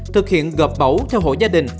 thực hiện gợp bẫu theo hộ gia đình